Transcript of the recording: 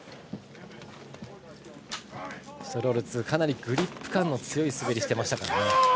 シュトロルツかなりグリップ感の強い滑りをしてましたからね。